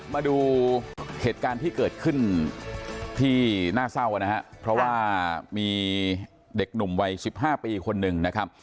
มาดูเหตุการณ์ที่เกิดขึ้นที่น่าเศร้านะครับเพราะว่ามีเด็กหนุ่มวัย๑๕ปีคนหนึ่งนะครับ